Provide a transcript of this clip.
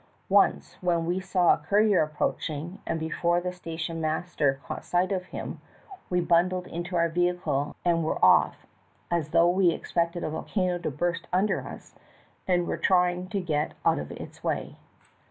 Once, when we saw a courier approaching and before the sta tion master caught sight of him, we bundled into 230 THE TALKING HANDKERCHIEF. our vehicle and were off as though we expected a volcano to burst under us and were trying to get out of its way.